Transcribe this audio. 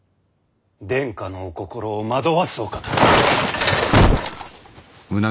殿下のお心を惑わすお方。